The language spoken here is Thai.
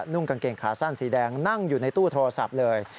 กางเกงขาสั้นสีแดงนั่งอยู่ในตู้โทรศัพท์เลย